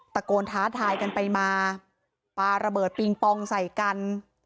ตะโกนท้าทายกันไปมาปลาระเบิดปิงปองใส่กัน